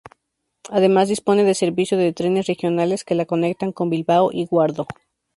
Además dispone de servicio de trenes regionales que la conectan con Bilbao y Guardo.